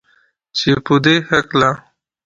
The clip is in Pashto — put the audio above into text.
چې پدې هکله